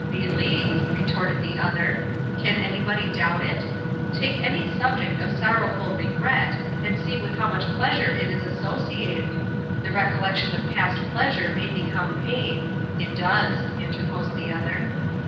'Believe!' retorted the other, 'can anybody doubt it? Take any subject of sorrowful regret, and see with how much pleasure it is associated. The recollection of past pleasure may become pain ' 'It does,' interposed the other.